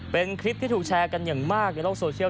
เป็นคลิปที่ถูกแชร์กันอย่างมากในโลกโซเชียล